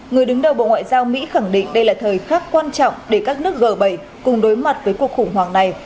người đứng đầu bộ ngoại giao mỹ khẳng định đây là thời khắc quan trọng để các nước g bảy cùng đối mặt với cuộc khủng hoảng này